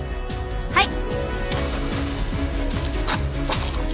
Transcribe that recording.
はい。